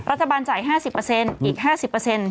รัฐบาลจ่าย๕๐เปอร์เซ็นต์อีก๕๐เปอร์เซ็นต์